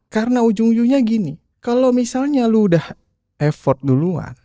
karena ujung ujungnya gini kalau misalnya lu udah effort duluan